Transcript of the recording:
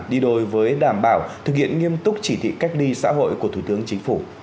đi đôi với đảm bảo thực hiện nghiêm túc chỉ thị cách ly xã hội của thủ tướng chính phủ